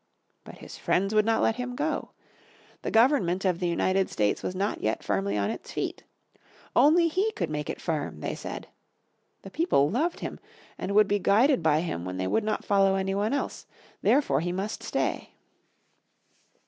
But his friends would not let him go. The government of the United States was not yet firmly on its feet. Only he could make it firm, they said. The people loved him, and would be guided by him when they would not follow any one else, therefore he must stay.